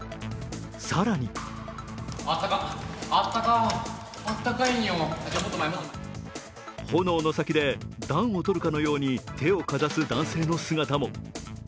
更に炎の先で暖をとるかのように手をかざす男性の姿も。